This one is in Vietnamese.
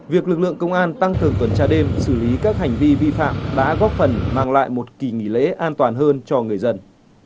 việc lực lượng công an tăng cường tuần tra đêm xử lý các hành vi vi phạm đã góp phần mang lại một kỳ nghỉ lễ an toàn hơn cho người dân